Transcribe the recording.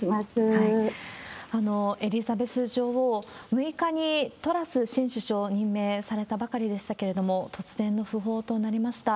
エリザベス女王、６日にトラス新首相を任命されたばかりでしたけれども、突然の訃報となりました。